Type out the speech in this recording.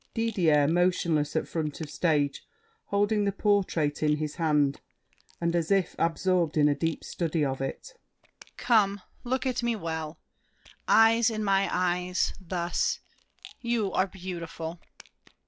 DIDIER (motionless at front of stage, holding the portrait in his hand, and as if absorbed in a deep study of it). Come, look at me well! Eyes in my eyes: thus. You are beautiful!